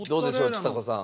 ちさ子さん。